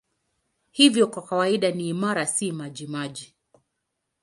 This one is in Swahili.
Hivyo kwa kawaida ni imara, si majimaji.